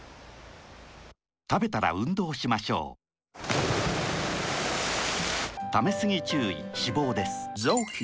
たべたら運動しましょうためすぎ注意脂肪です